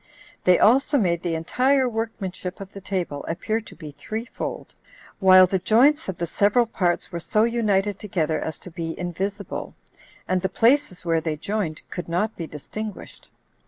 They also made the entire workmanship of the table appear to be threefold, while the joints of the several parts were so united together as to be invisible, and the places where they joined could not be distinguished.